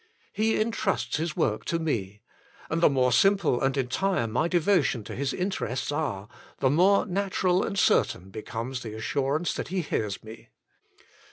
He entrusts His work to me, and the more simple and entire my devotion to His interests are, the more natural and certain becomes the assurance that He hears me.